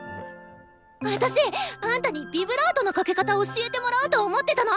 私あんたにビブラートのかけ方教えてもらおうと思ってたの！